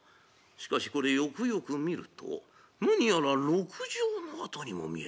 しかしこれよくよく見ると何やら鹿茸の痕にも見える。